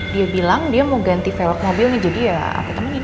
dia bilang dia mau ganti velg mobilnya jadi ya aku nemenin